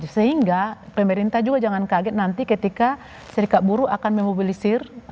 sehingga pemerintah juga jangan kaget nanti ketika serikat buruh akan memobilisir